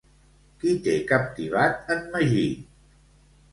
Qui té captivat en Magí?